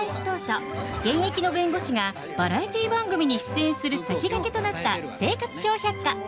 当初現役の弁護士がバラエティー番組に出演する先駆けとなった「生活笑百科」。